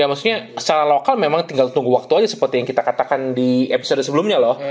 ya maksudnya secara lokal memang tinggal tunggu waktu aja seperti yang kita katakan di episode sebelumnya loh